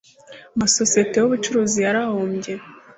amasosiyete y ubucuruzi yarahombye